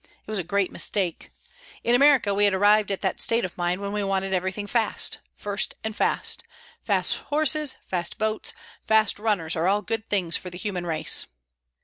It was a great mistake. In America we had arrived at that state of mind when we wanted everything fast first and fast. Fast horses, fast boats, fast runners are all good things for the human race.